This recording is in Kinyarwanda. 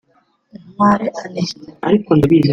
Ntwale Ani